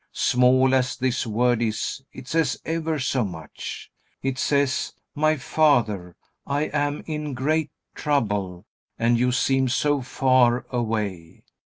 Small as this word is, it says ever so much. It says: "My Father, I am in great trouble and you seem so far away.